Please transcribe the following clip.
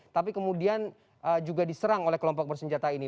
tapi kemudian juga diserang oleh kelompok bersenjata ini